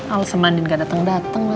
elsa mandi gak dateng dateng lagi